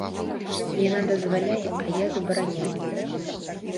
Яна дазваляе, а я забараняю.